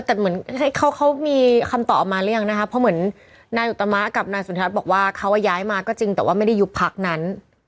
แต่เหมือนเขามีคำตอบออกมาหรือยังนะคะเพราะเหมือนนายอุตมะกับนายสุนทัศน์บอกว่าเขาย้ายมาก็จริงแต่ว่าไม่ได้ยุบพักนั้น